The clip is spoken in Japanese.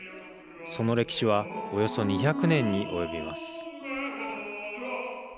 その歴史はおよそ２００年に及びます。